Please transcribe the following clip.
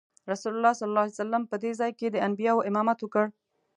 رسول الله صلی الله علیه وسلم په دې ځای کې د انبیاوو امامت وکړ.